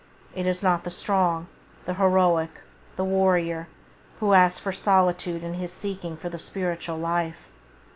It is not the strong, the heroic, the warrior, who asks for solitude in his seeking for the spiritual life.